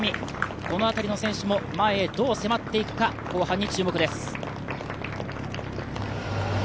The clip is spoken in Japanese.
この辺り選手も前へどう迫っていくか、後半に注目です。